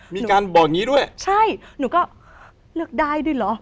มีการบอกอย่างงี้ด้วยใช่หนูก็เลือกได้ด้วยเหรอ